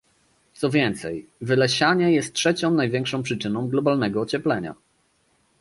Co więcej, wylesianie jest trzecią największą przyczyną globalnego ocieplenia